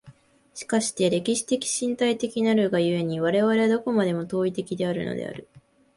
しかして歴史的身体的なるが故に、我々はどこまでも当為的であるのである。